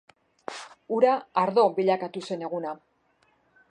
Ura ardo bilakatu zen eguna.